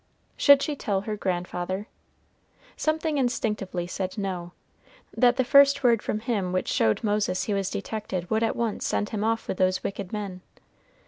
Should she tell her grandfather? Something instinctively said No; that the first word from him which showed Moses he was detected would at once send him off with those wicked men.